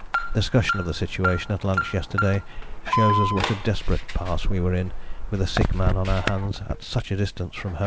Discussion of the situation at lunch yesterday shows us what a desperate pass we were in with a sick man on our hands at such a distance from home."